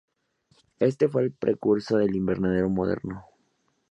Éste fue el precursor del invernadero moderno.